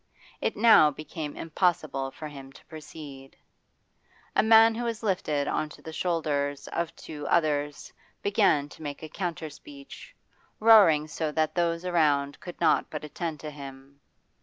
It now became impossible for him to proceed. A man who was lifted on to the shoulders of two others began to make a counter speech, roaring so that those around could not but attend to him.